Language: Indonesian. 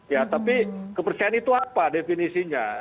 ya tapi kepercayaan itu apa definisinya